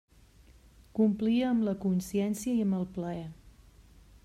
Complia amb la consciència i amb el plaer.